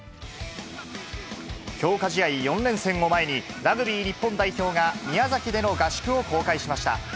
強化試合４連戦を前に、ラグビー日本代表が宮崎での合宿を公開しました。